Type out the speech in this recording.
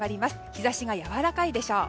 日差しがやわらかいでしょう。